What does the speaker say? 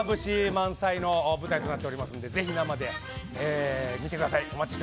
満載の舞台となっていますのでぜひ、生で見てください。